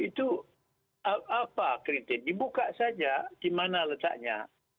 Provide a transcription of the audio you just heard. itu apa kritis dibuka saja di mana letaknya